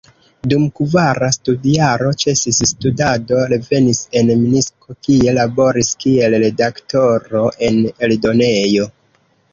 Dum kvara studjaro ĉesis studado, revenis en Minsko, kie laboris kiel redaktoro en eldonejo.